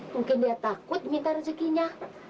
mungkin dia takut minta rezekinya